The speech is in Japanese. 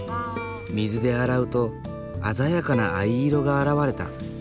水で洗うと鮮やかな藍色が現れた。